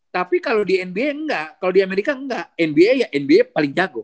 tapi kalau di nba enggak kalau di amerika enggak nba ya nba paling jago